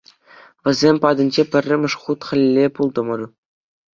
Вӗсем патӗнче пӗрремӗш хут хӗлле пултӑмӑр.